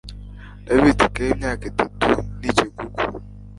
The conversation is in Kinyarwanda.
Nabitse ikayi imyaka itatu nikigugu.